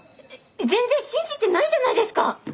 全然信じてないじゃないですか！